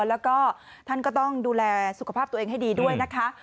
แล้วก็ท่านก็ต้องดูแลสุขภาพตัวเองให้ดีด้วยนะคะ